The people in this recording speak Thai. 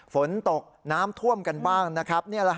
ฝนตกน้ำท่วมกันบ้างนะครับ